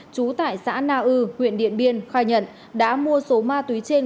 trú tại xã na ư huyện điện biên khai nhận đã mua số ma túy trên